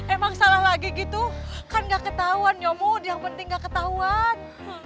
emang salah lagi gitu kan gak ketauan nyomud yang penting gak ketauan